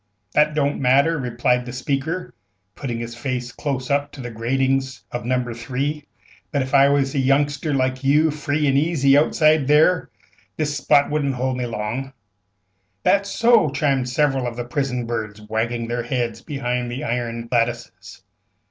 "That don't matter," replied the speaker, putting his face close up to the gratings of No. 3, "but ef I was a youngster like you, free an' easy outside there, this spot wouldn't hold me long." "That's so!" chimed several of the prison birds, wagging their heads behind the iron lattices.